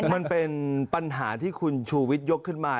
มันเป็นปัญหาที่คุณชูวิทยกขึ้นมา